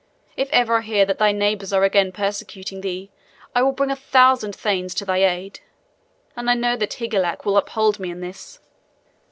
If ever I hear that thy neighbors are again persecuting thee, I will bring a thousand thanes to thy aid; and I know that Higelac will uphold me in this."